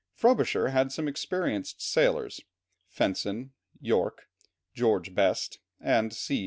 Frobisher had some experienced sailors Fenton, York, George Best, and C.